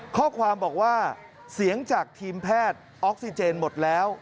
ข้อความบอกว่าเสียงจากทีมแพทย์ออกซิเจนหมดแล้ว